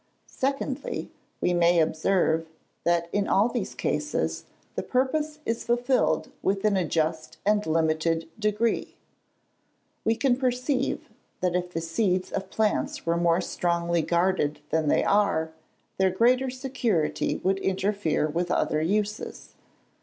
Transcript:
Secondly; we may observe, that in all these cases, the purpose is fulfilled within a just and limited degree. We can perceive, that if the seeds of plants were more strongly guarded than they are, their greater security would interfere with other uses.